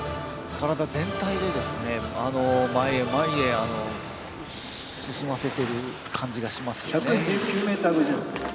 体全体で前へ、前へ進ませている感じがしますね。